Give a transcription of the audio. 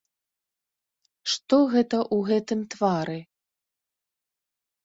Што гэта ў гэтым твары?